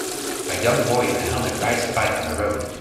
A young boy in a helmet rides a bike on the road.